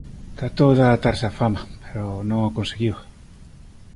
Tratou de adaptarse á fama pero non o conseguiu.